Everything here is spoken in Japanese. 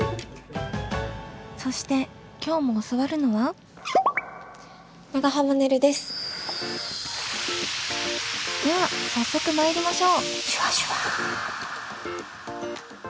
そして今日も教わるのはでは早速参りましょう！